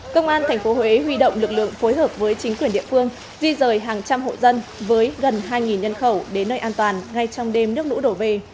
công an tp huế huy động lực lượng phối hợp với chính quyền địa phương di rời hàng trăm hộ dân với gần hai nhân khẩu đến nơi an toàn ngay trong đêm nước lũ đổ về